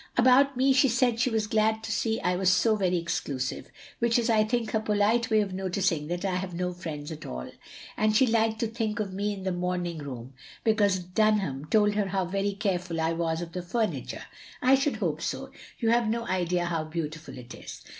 *' About me, she said she was glad to see I was so very exclusive; which is I think her polite way of noticing that I have no friends at all. And she liked to think of me in the morning room, because Dunham told her how very careful I was of the furniture (/ should hope so, you have no idea how beautiful it is).